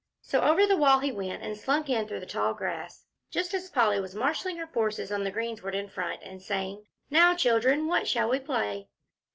So over the wall he went, and slunk in through the tall grass, just as Polly was marshalling her forces on the greensward in front and saying, "Now, children, what shall we play?"